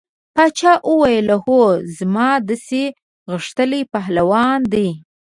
باچا وویل هو زما داسې غښتلي پهلوانان دي.